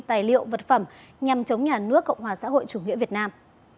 tài liệu vật phẩm nhằm chống nhà nước cộng hòa xã hội chủ nghĩa việt nam